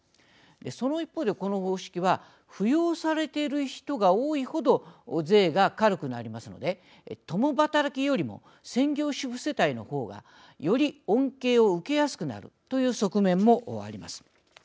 その一方でこの方式は扶養されている人が多い程税が軽くなりますので共働きよりも専業主婦世帯の方がより恩恵を受けやすくなるという側面もあります。